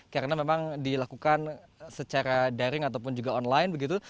karena memang dilakukan secara daring ataupun juga online